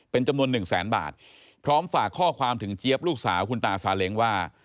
เป็นจำนวนหนึ่งแสนบาทพร้อมฝากข้อความถึงเจี๊ยบลูกสาวคุณตาซาเล้งว่า